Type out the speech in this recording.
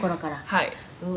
「はい」